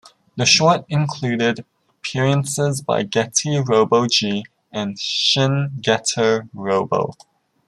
The short included appearances by Getter Robo G and Shin Getter Robo.